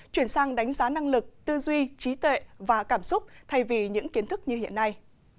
chuyển sang đánh giá năng lực tư duy trí tệ và cảm xúc thay vì những kiến thức như hiện nay